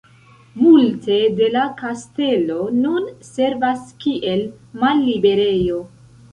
Multe de la kastelo nun servas kiel malliberejo.